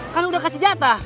kan udah kasih jatah